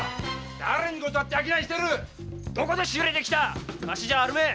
誰に断って商いしてる⁉どこで仕入れてきた⁉河岸じゃあるめえ！